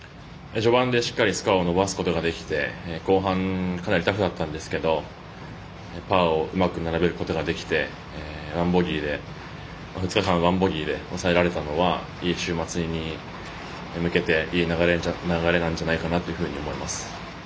序盤でスコアを伸ばすことができて後半、かなりタフだったんですがパーをうまく並べることができて２日間で１ボギーで抑えられたのは週末に向けて、いい流れなんじゃないかなと思います。